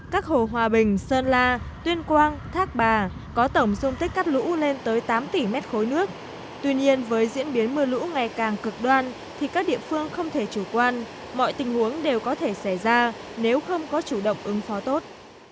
có thể xảy ra nếu không có chủ động ứng phó tốt